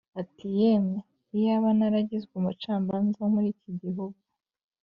ati “Yemwe, iyaba naragizwe umucamanza wo muri iki gihugu